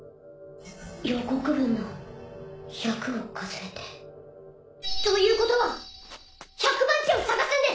予告文の「１００を数えて」。ということは１００番地を探すんです！